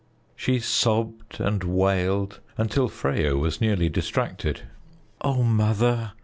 She sobbed and wailed until Freyo was nearly distracted. "Oh, Mother!"